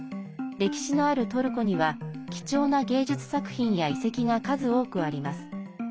歴史のあるトルコには、貴重な芸術作品や遺跡が数多くあります。